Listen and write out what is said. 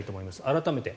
改めて。